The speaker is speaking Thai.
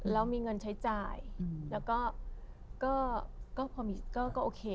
แล้วมีเงินใช้จ่ายแล้วก็โอเคค่ะ